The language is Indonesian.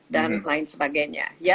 dan lain sebagainya